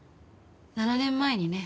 ７年前にね